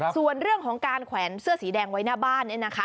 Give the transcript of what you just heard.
ส่วนเรื่องของการแขวนเสื้อสีแดงไว้หน้าบ้าน